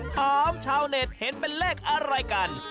ชาวเน็ตเห็นเป็นเลขอะไรกัน